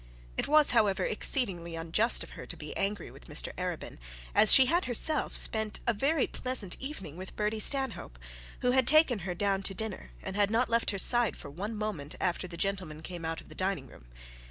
It was, however, exceedingly unjust of her to be angry with Mr Arabin, as she had herself spent a very pleasant evening with Bertie Stanhope, who had taken her down to dinner, and had not left her side for one moment after the gentlemen came out of the dining room.